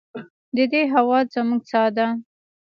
د دې هوا زموږ ساه ده